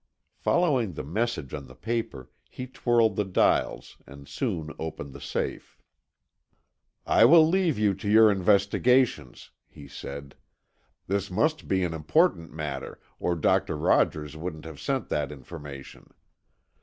Following the message on the paper, he twirled the dials, and soon opened the safe. "I will leave you to your investigations," he said. "This must be an important matter, or Doctor Rogers wouldn't have sent that information.